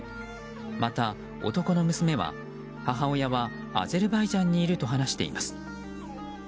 また、男の娘は母親はアゼルバイジャンにいると話しています。